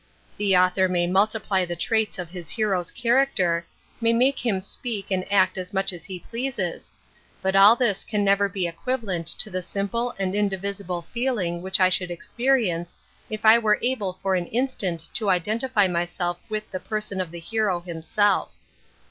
The author may multiply the traits of his hero's character*, may make him speak and act as much as he pleases, but all this can never be equivalent to the simple and indivisible feeling which I should experience if I were able for an instant to identify myself with the person of the hero himself.